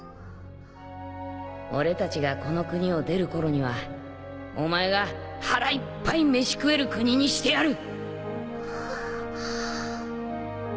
俺たちがこの国を出るころにはお前が腹いっぱい飯食える国にしてやる！